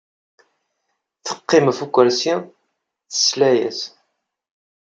Teqqim ɣef ukersi, tesla-as.